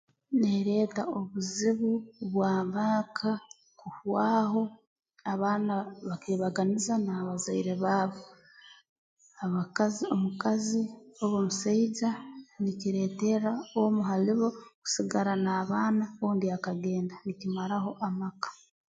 Neereta obuzibu bw'amaaka kuhwaho abaana bakeebaganiza n'abazaire baabo abakazi omukazi oba omusaija nikireeterra omu hali bo kusigara n'abaana ondi akagenda nikimaraho amaka